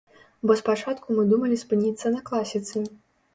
Бо спачатку мы думалі спыніцца на класіцы.